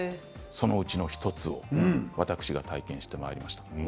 そのうちの１つを私が体験してまいりました。